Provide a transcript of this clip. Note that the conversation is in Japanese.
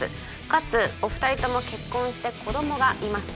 かつお二人とも結婚して子供がいます